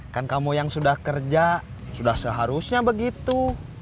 kan kamu yang sudah kerja sudah seharusnya begitu